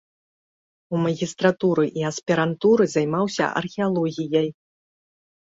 У магістратуры і аспірантуры займаўся археалогіяй.